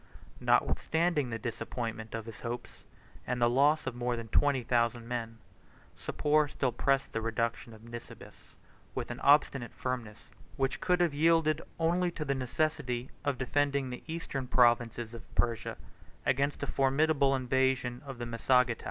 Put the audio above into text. Notwithstanding the disappointment of his hopes, and the loss of more than twenty thousand men, Sapor still pressed the reduction of Nisibis, with an obstinate firmness, which could have yielded only to the necessity of defending the eastern provinces of Persia against a formidable invasion of the Massagetæ.